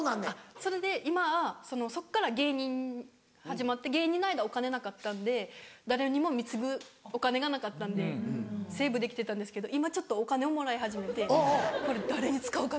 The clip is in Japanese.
それで今そっから芸人始まって芸人の間お金なかったんで誰にも貢ぐお金がなかったんでセーブできてたんですけど今ちょっとお金をもらい始めてこれ誰に使おうかなって。